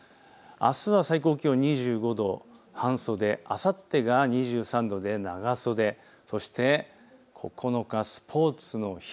あすは最高気温２５度、あさってが２３度で長袖、そして９日、スポーツの日。